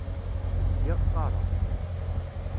Zgiɣ qqaṛeɣ.